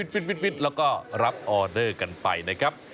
ฟิตแล้วก็รับออเดอร์กันไปนะครับ